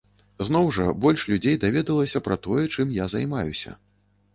Зноў жа, больш людзей даведалася пра тое, чым я займаюся.